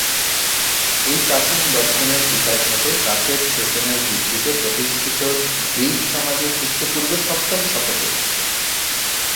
এই প্রাচীন দর্শনের বিকাশ ঘটে দাসের শোষণের ভিত্তিতে প্রতিষ্ঠিত গ্রিক সমাজে খ্রিষ্টপূর্ব সপ্তম শতকে।